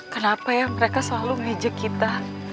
kenapa ya mereka selalu ngejek kita